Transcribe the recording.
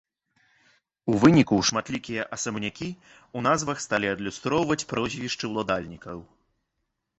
У выніку шматлікія асабнякі ў назвах сталі адлюстроўваць прозвішчы ўладальнікаў.